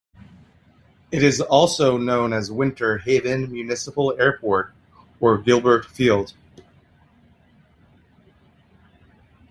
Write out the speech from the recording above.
It is also known as Winter Haven Municipal Airport or Gilbert Field.